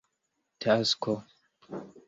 tasko